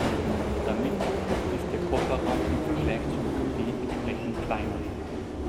Damit ist der Kofferraum im Vergleich zum Coupe entsprechend kleiner.